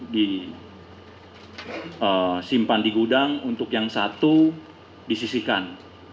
disimpan di gudang untuk yang satu disisihkan